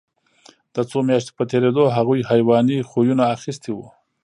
د څو میاشتو په تېرېدو هغوی حیواني خویونه اخیستي وو